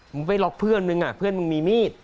มึงไปล็อกเพื่อนมึงอ่ะเพื่อนมึงมีมีด